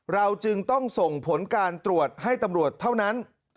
เราจึงต้องส่งผลการตรวจให้ตำรวจเท่านั้น